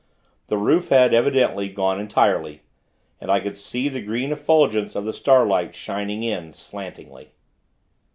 The roof had, evidently, gone entirely; and I could see the green effulgence of the Starlight shining in, slantingly.